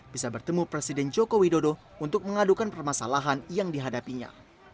bisa bertemu presiden joko widodo untuk mengadukan permasalahan yang dihadapinya